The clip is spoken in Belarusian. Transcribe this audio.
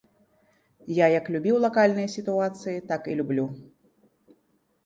Я як любіў лакальныя сітуацыі, так і люблю.